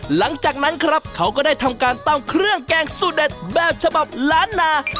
หลังจากนั้นครับเขาก็ได้ทำการตำเครื่องแกงสูตรเด็ดแบบฉบับล้านนา